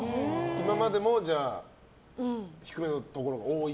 今までも低めのところが多い？